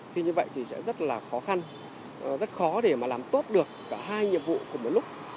khi như vậy thì sẽ rất là khó khăn rất khó để mà làm tốt được cả hai nhiệm vụ của một lúc